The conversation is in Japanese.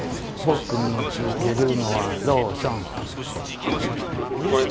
僕につけるのはローションこれ